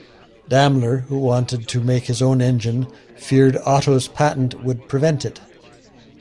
Daimler who wanted to make his own engine, feared Otto's patent would prevent it.